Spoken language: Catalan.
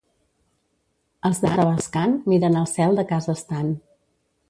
Els de Tavascan miren el cel de casa estant.